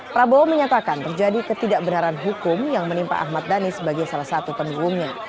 prabowo menyatakan terjadi ketidakbenaran hukum yang menimpa ahmad dhani sebagai salah satu pendukungnya